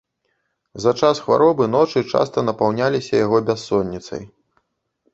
За час хваробы ночы часта напаўняліся яго бяссонніцай.